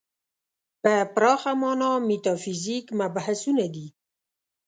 په پراخه معنا میتافیزیک مبحثونه دي.